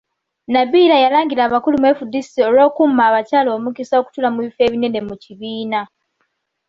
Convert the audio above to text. Nabillah yalangira abakulu mu FDC olw'okumma abakyala omukisa okutuula ku bifo ebinene mu kibiina.